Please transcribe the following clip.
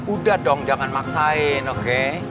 udah dong jangan maksain oke